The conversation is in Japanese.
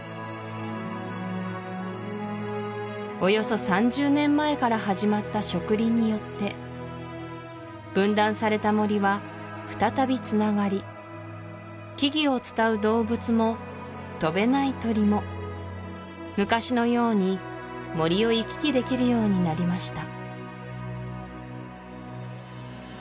およそ３０年前から始まった植林によって分断された森は再びつながり木々を伝う動物も飛べない鳥も昔のように森を行き来できるようになりました